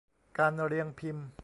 การเรียงพิมพ์